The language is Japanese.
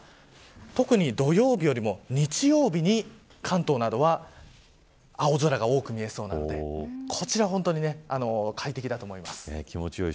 特に土曜日よりも日曜日に関東などは青空が多く見えそうなのでこちら本当に快適だと思います。